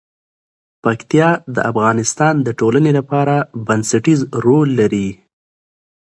پکتیا د افغانستان د ټولنې لپاره بنسټيز رول لري.